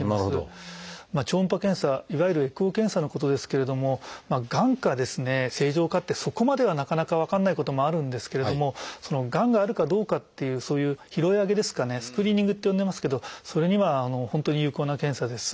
超音波検査いわゆるエコー検査のことですけれどもがんか正常かってそこまではなかなか分からないこともあるんですけれどもがんがあるかどうかっていうそういう拾い上げですかね「スクリーニング」って呼んでますけどそれには本当に有効な検査です。